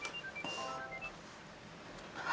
kau mau ke rumah